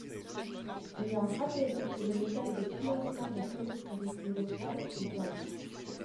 Et à rappeler que le modèle de financement des collectivités locales est à bout.